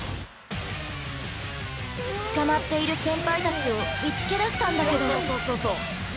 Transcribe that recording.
捕まっている先輩たちを見つけ出したんだけど。